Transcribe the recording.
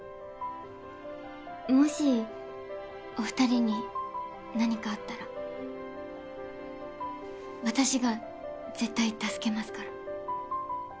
もしおふたりに何かあったら私が絶対助けますから。